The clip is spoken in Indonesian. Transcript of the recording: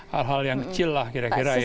hal hal yang kecil lah kira kira ya